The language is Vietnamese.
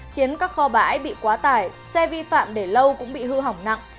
khiến các kho bãi bị quá tải xe vi phạm để lâu cũng bị hư hỏng nặng